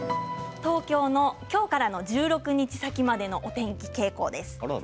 東京のきょうからの１６日先までのお天気傾向です。